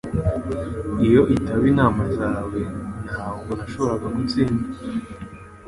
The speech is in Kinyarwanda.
Iyo itaba inama zawe, ntabwo nashoboraga gutsinda.